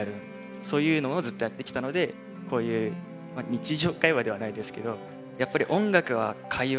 そういうのをずっとやってきたのでこういう日常会話ではないですけどやっぱり音楽は会話だなって。